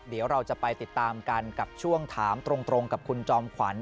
เดี๋ยวเราจะไปติดตามกันกับช่วงถามตรงกับคุณจอมขวัญ